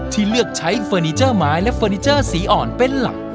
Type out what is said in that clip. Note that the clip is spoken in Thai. ที่เลือกใช้เฟอร์นิเจอร์ไม้และเฟอร์นิเจอร์สีอ่อนเป็นหลัก